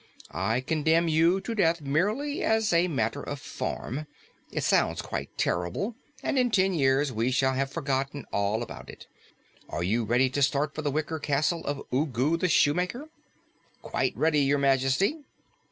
"I condemn you to death merely as a matter of form. It sounds quite terrible, and in ten years we shall have forgotten all about it. Are you ready to start for the wicker castle of Ugu the Shoemaker?" "Quite ready, Your Majesty."